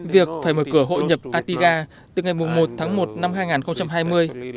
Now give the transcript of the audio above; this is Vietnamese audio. việc phải mở cửa hội nhập atiga từ ngày một tháng một năm hai nghìn hai mươi